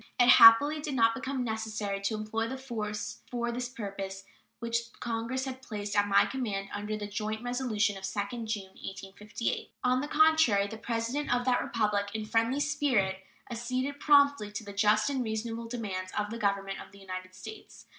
It happily did not become necessary to employ the force for this purpose which Congress had placed at my command under the joint resolution of 2d June, 1858. On the contrary, the President of that Republic, in a friendly spirit, acceded promptly to the just and reasonable demands of the Government of the United States.